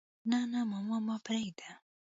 نه نه ماما ما پرېده.